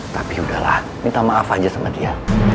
tapi udahlah minta maaf aja sama dia